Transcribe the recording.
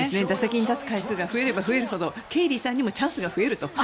打席に立つ回数が増えるほどケイリーさんにもチャンスが増えると。